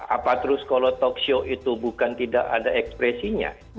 apa terus kalau talkshow itu bukan tidak ada ekspresinya